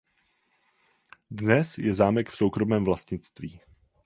Dnes je zámek v soukromém vlastnictví.